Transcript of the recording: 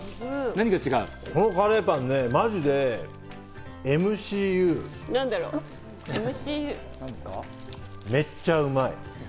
このカレーパン、マジでＭＣＵ、めっちゃうまい！